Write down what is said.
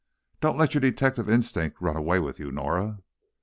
Don't let your detective instinct run away with you Norah!"